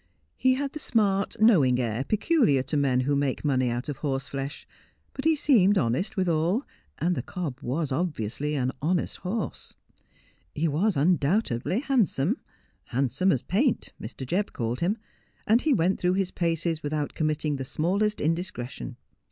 He had the smart, knowing air peculiar to men who make money out of horseflesh ; but he seemed honest withal, and the cob was obviously an honest horse. He was undoubtedly handsome —' handsome as paint,' Mr. Jebb called him ; and he went through his paces without com mitting the smallest indiscretion.